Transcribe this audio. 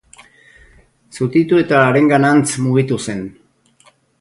Zutitu eta harenganantz mugitu zen.